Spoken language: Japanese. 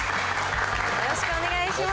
よろしくお願いします。